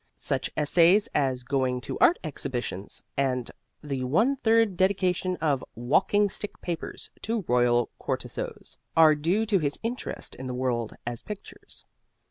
Such essays as "Going to Art Exhibitions," and the one third dedication of "Walking Stick Papers" to Royal Cortissoz are due to his interest in the world as pictures.